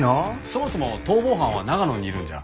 そもそも逃亡犯は長野にいるんじゃ？